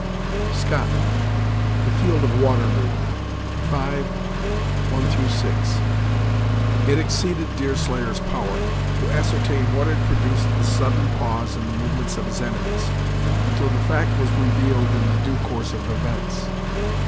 Scott, "The Field of Waterloo," V.i 6. It exceeded Deerslayer's power to ascertain what had produced the sudden pause in the movements of his enemies, until the fact was revealed in the due course of events.